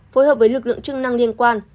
phối hợp với lực lượng chức năng liên quan